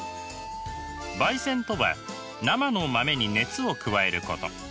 焙煎とは生の豆に熱を加えること。